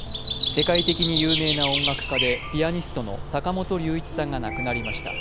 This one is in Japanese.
世界的に有名な音楽家でピアニストの坂本龍一さんが亡くなりました。